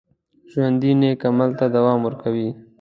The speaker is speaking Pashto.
ژوندي نیک عمل ته دوام ورکوي